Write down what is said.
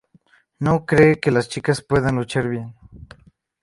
No cree que las chicas puedan luchar bien.